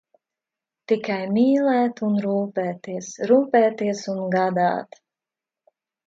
Tikai mīlēt un rūpēties, rūpēties un gādāt.